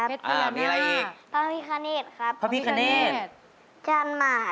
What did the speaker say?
ผลสนอยู่กลัวผลได้หวกมา